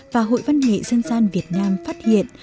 và hội văn nghệ dân gian việt nam phát hiện